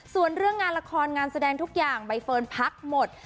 ส่วนเรื่องงานละครงานแสดงทุกอย่างใบเฟิร์นพักหมด